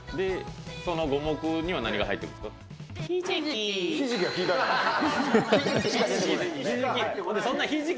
その五目には何が入ってるんひじき。